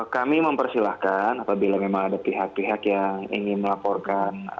kami mempersilahkan apabila memang ada pihak pihak yang ingin melaporkan